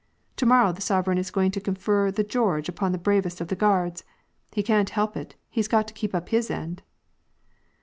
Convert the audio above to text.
To morrow the sovereign is going to confer the Geoi^ on the bravest of the Guards. He can't help it. He's got to keep up his end